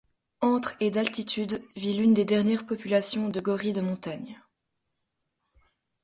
Entre et d'altitude, vit l'une des dernières populations de gorilles de montagne.